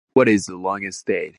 What is the longest day?